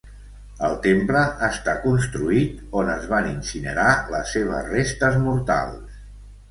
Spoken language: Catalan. El temple està construït on es van incinerar les seves restes mortals.